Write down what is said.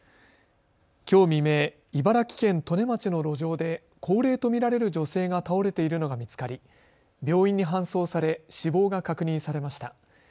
きょう未明、茨城県利根町の路上で高齢と見られる女性が倒れているのが見つかり病院に搬送され死亡が確認されました。